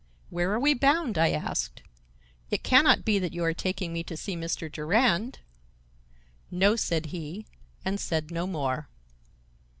"Where are we bound?" I asked. "It can not be that you are taking me to see Mr. Durand?" "No," said he, and said no more.